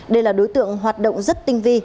đây là đối tượng hoạt động rất tinh vi